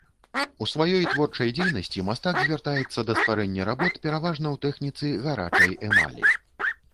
У сваёй творчай дзейнасці мастак звяртаецца да стварэння работ пераважна у тэхніцы гарачай эмалі.